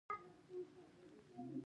څنګه کولی شم د کور کرایه کمه کړم